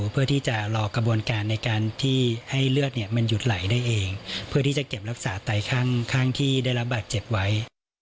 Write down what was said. เพื่อที่จะรอกระบวนการในการที่ให้เลือดมันหยุดไหลได้เองเพื่อที่จะเก็บรักษาไตข้างที่ได้รับบาดเจ็บไว้